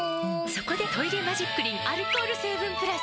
そこで「トイレマジックリン」アルコール成分プラス！